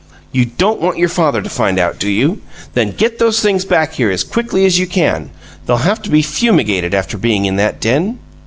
You don't want your father to find out, do you? Then get those things back here as quickly as you can. They'll have to be fumigated after being in that den."